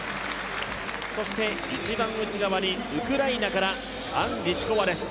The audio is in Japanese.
そして、一番内側にウクライナからアン・リシコワです